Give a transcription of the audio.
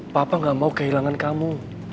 papa gak mau kehilangan kamu